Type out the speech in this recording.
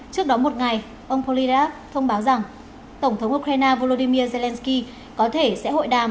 trước đó một ngày ông polirab thông báo rằng tổng thống ukraine volodymyr zelensky có thể sẽ hội đàm